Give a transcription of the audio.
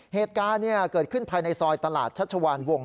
เหตุการณ์เกิดขึ้นภายในซอยตลาดชัชวานวง